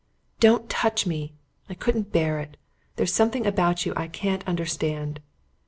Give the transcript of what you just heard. "Don't touch me. I couldn't bear it. There's something about you I can't understand."